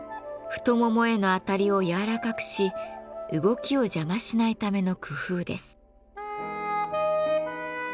太ももへの当たりを柔らかくし動きを邪魔しないための工夫です。